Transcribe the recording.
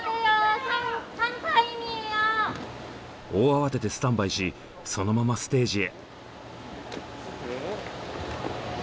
大慌てでスタンバイしそのままステージへ。